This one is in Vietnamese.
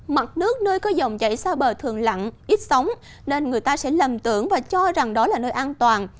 mặt nước nơi có dòng chảy xa bờ thường lặng ít sóng nên người ta sẽ lầm tưởng và cho rằng đó là nơi an toàn